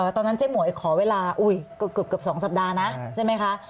ตอนนั้นเจ้าหมวยขอเวลาอุ๊ยก็เกือบ๒สัปดาห์นะใช่ไหมคะ